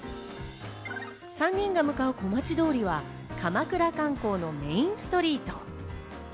３人が向かう小町通りは鎌倉観光のメインストリート。